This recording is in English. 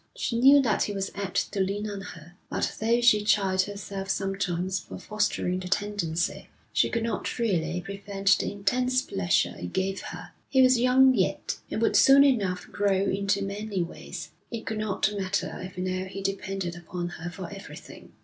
She knew that he was apt to lean on her, but though she chid herself sometimes for fostering the tendency, she could not really prevent the intense pleasure it gave her. He was young yet, and would soon enough grow into manly ways; it could not matter if now he depended upon her for everything.